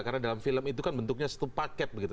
karena dalam film itu kan bentuknya satu paket begitu